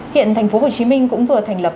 hiện thành phố hồ chí minh cũng vừa thành lập